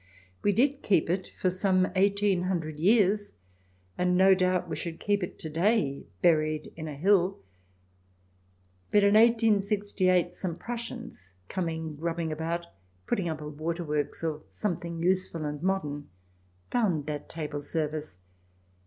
We did keep it for some eighteen hundred years, and no doubt we should keep it to day — buried in a hill. But in 1868 some Prussians, coming grubbing about, putting up a waterworks or something useful and modem, found that table service.